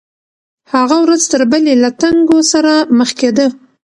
هغه ورځ تر بلې له تنګو سره مخ کېده.